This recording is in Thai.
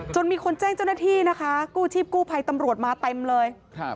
มีคนแจ้งเจ้าหน้าที่นะคะกู้ชีพกู้ภัยตำรวจมาเต็มเลยครับ